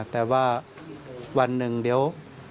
แต่ว่าวันหนึ่งเดี๋ยว